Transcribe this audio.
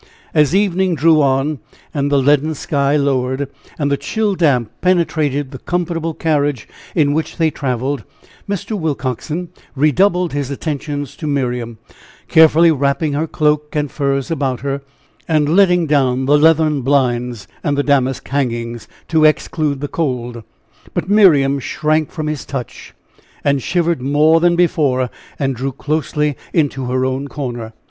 As evening drew on, and the leaden sky lowered, and the chill damp penetrated the comfortable carriage in which they traveled, Mr. Willcoxen redoubled his attentions to Miriam, carefully wrapping her cloak and furs about her, and letting down the leathern blinds and the damask hangings, to exclude the cold; but Miriam shrank from his touch, and shivered more than before, and drew closely into her own corner.